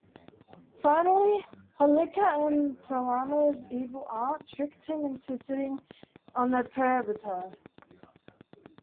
Finally, Holika, Prahlada's evil aunt, tricked him into sitting on a pyre with her.